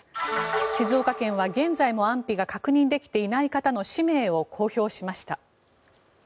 静岡県は現在も安否が確認できていない方の氏名を公表しました。